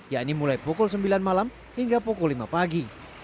yakni mulai pukul sembilan malam hingga pukul lima pagi